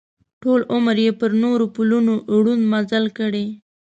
ټول عمر یې پر نورو پلونو ړوند مزل کړی.